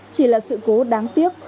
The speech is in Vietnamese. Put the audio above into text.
chỉ là sự cố đáng tiếc